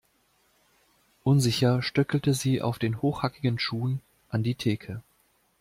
Unsicher stöckelte sie auf den hochhackigen Schuhen an die Theke.